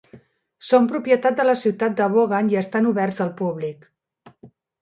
Són propietat de la ciutat de Vaughan i estan oberts al públic.